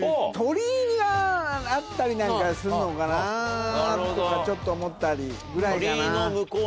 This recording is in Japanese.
があったりなんかするのかなとかちょっと思ったりぐらいかな。